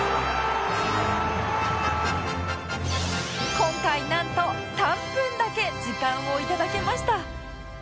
今回なんと３分だけ時間を頂けました